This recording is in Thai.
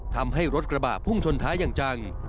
ทำให้รถกระบะพุ่งชนท้ายอย่างจัง